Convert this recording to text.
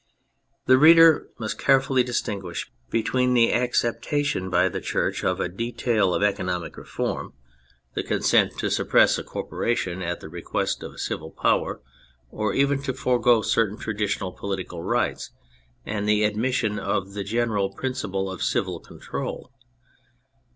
The reader must carefully distinguish be tween the acceptation by the Church of a detail of economic reform, the consent to 242 THE FRENCH REVOLUTION suppress a corporation at the request of the civil power, or even to forego certain tradi tional political rights, and the admission of the general principle of civil control.